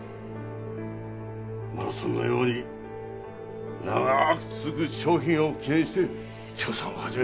マラソンのように長く続く商品を記念して協賛を始めた。